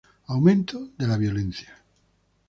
Aumento de la violencia.